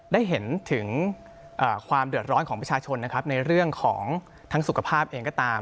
ได้เห็นถึงความเดือดร้อนของประชาชนนะครับในเรื่องของทั้งสุขภาพเองก็ตาม